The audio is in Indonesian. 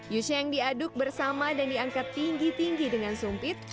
yusheng diaduk bersama dan diangkat tinggi tinggi dengan sumpit